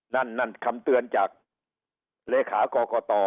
นั่นนั่นคำเตือนจากเลขากรกต